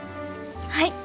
はい！